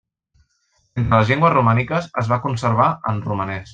Entre les llengües romàniques es va conservar en romanès.